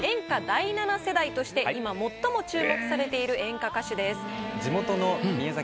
第七世代として今最も注目されている演歌歌手です。